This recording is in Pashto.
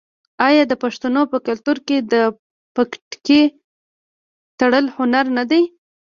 آیا د پښتنو په کلتور کې د پټکي تړل هنر نه دی؟